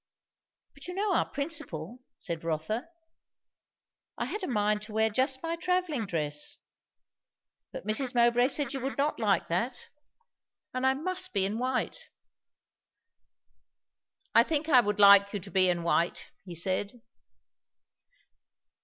"But you know our principle," said Rotha. "I had a mind to wear just my travelling dress; but Mrs. Mowbray said you would not like that, and I must be in white." "I think I would like you to be in white," he said.